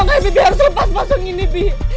bi makanya bibi harus lepas pasang ini bi